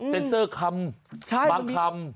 เซ็นเซอร์คำบางคำ